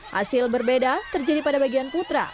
hasil berbeda terjadi pada bagian putra